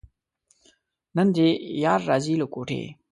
نن دې یار راځي له کوټې.